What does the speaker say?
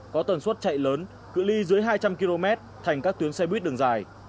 có tần suất chạy lớn cửa ly dưới hai trăm linh km thành các tuyến xe buýt đường dài